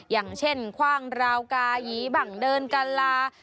อย่างเช่นคว่างราวกายีบังเดินกาลา